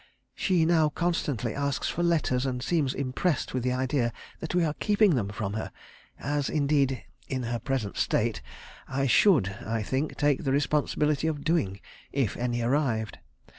She now constantly asks for letters, and seems impressed with the idea that we are keeping them from her, as indeed, in her present state, I should, I think, take the responsibility of doing, if any arrived.